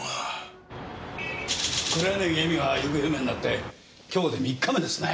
黒柳恵美が行方不明になって今日で３日目ですね。